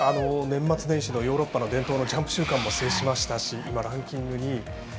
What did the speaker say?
年末年始のヨーロッパのジャンプ週間も制しましたしランキング２位。